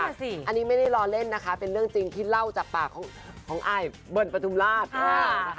อันนี้ไม่ได้รอเล่นนะคะเป็นเรื่องจริงที่เล่าจากปากของอายเบิ้ลประทุมราช